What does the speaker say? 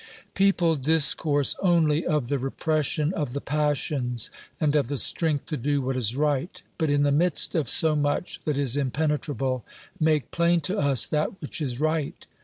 People discourse only of the repression of the passions and of the strength to do what is right, but, in the midst of so much that is impenetrable, make plain to us that which is right